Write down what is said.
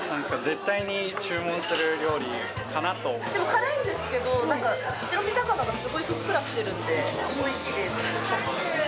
辛いんですけどなんか白身魚がすごいふっくらしてるのでおいしいです。